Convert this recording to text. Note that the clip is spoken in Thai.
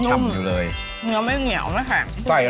กะเพราทอดไว้